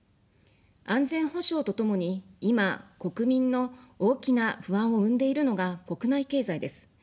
安全保障とともに、今、国民の大きな不安を生んでいるのが国内経済です。